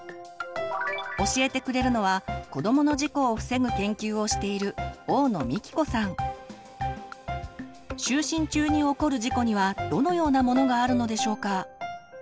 教えてくれるのは子どもの事故を防ぐ研究をしている就寝中に起こる事故にはどのようなものがあるのでしょうか？